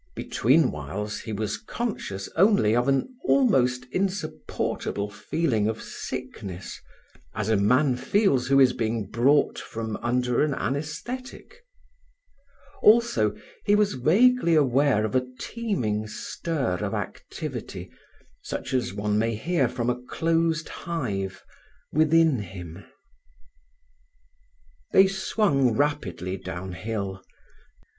Between whiles he was conscious only of an almost insupportable feeling of sickness, as a man feels who is being brought from under an anaesthetic; also he was vaguely aware of a teeming stir of activity, such as one may hear from a closed hive, within him. They swung rapidly downhill.